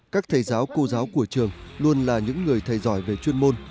các thầy giáo cô giáo của trường luôn là những người thầy giỏi về chuyên môn